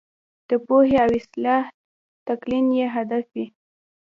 د پوهې او اصلاح تلقین یې هدف وي.